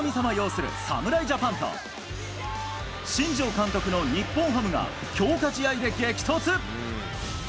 擁する侍ジャパンと、新庄監督の日本ハムが強化試合で激突。